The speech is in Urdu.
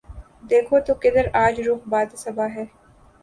دیکھو تو کدھر آج رخ باد صبا ہے